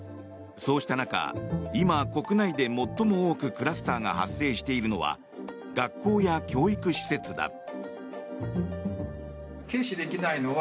そうした中今、国内で最も多くクラスターが発生しているのは学校や教育施設だ。